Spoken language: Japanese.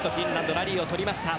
ラリーを取りました。